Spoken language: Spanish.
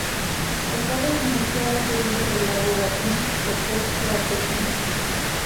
El pueblo se inició a orillas del Lago Gatún, sector Cuatro Vientos.